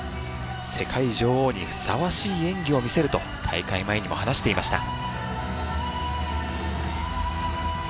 世界女王にふさわしい演技を見せると大会前にも話していました。